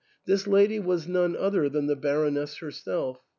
This lady was none other than the Baroness herself.